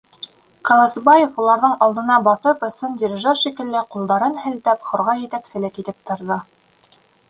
Ҡылысбаев, уларҙың алдына баҫып, ысын дирижер шикелле, ҡулдарын һелтәп, хорға етәкселек итеп торҙо.